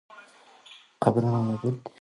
قبرونه موجود دي.